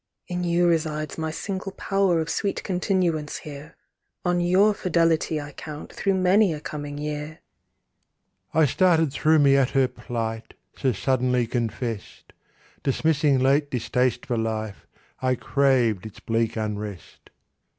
"In you resides my single power Of sweet continuance here; On your fidelity I count Through many a coming year." —I started through me at her plight, So suddenly confessed: Dismissing late distaste for life, I craved its bleak unrest.